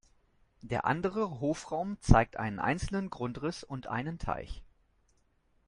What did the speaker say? Der andere Hofraum zeigt einen einzelnen Grundriss und einen Teich.